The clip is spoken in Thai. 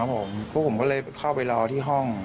พวกผมก็เลยเข้าไปรอที่ห้อง